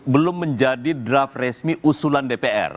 belum menjadi draft resmi usulan dpr